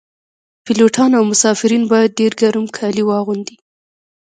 پیلوټان او مسافرین باید ډیر ګرم کالي واغوندي